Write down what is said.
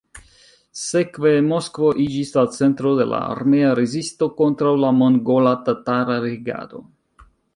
Sekve Moskvo iĝis la centro de la armea rezisto kontraŭ la mongola-tatara regado.